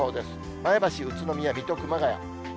前橋、宇都宮、水戸、熊谷。